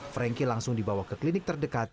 frankie langsung dibawa ke klinik terdekat